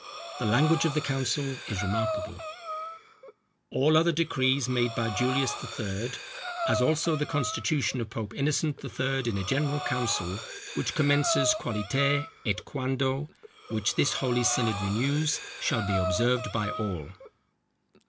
The language of the council is remarkable: "All other decrees made by Julius the Third, as also the constitution of Pope Innocent the Third, in a general council, which commences Qualiter et Quando, which this holy synod renews, shall be observed by all."